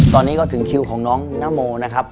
ตอนนี้ก็ถึงคิวของน้องนโมนะครับ